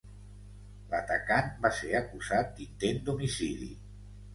L"atacant va ser acusat d'intent d'homicidi.